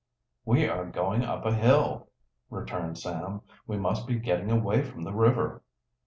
"We are going up a hill," returned Sam. "We must be getting away from the river."